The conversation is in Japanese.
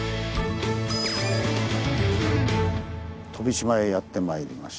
飛島へやってまいりました。